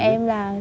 cứ hỏi em là